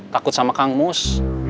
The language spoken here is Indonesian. takut sama kang mus